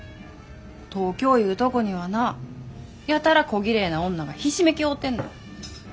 東京いうとこにはなやたらこぎれいな女がひしめき合うてんねん。